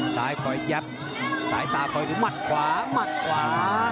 ซ้ายคอยแยบซ้ายตาคอยถึงหมัดขวาหมัดขวา